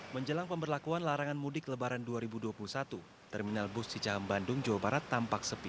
menjelang pemberlakuan larangan mudik lebaran dua ribu dua puluh satu terminal bus cicahem bandung jawa barat tampak sepi